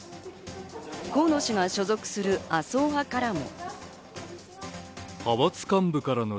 河野氏が所属する麻生派からも。